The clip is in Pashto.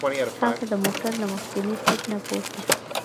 هغه د موټر له مخکیني سیټ نه پورته شو.